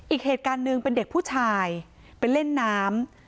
อีกเหตุการณ์หนึ่งเป็นเด็กผู้ชายไปเล่นน้ำ